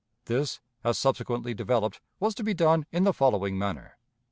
This, as subsequently developed, was to be done in the following manner.